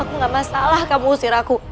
aku gak masalah kamu usir aku